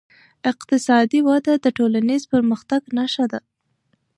اقتصادي وده د ټولنیز پرمختګ نښه ده.